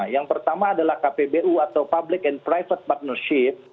yang pertama adalah kpbu atau public and private partnership